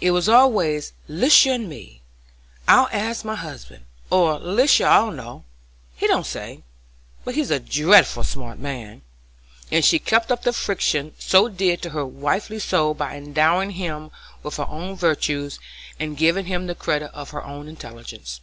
It was always "Lisha and me," "I'll ask my husband" or "Lisha'll know; he don't say much, but he's a dreadful smart man," and she kept up the fiction so dear to her wifely soul by endowing him with her own virtues, and giving him the credit of her own intelligence.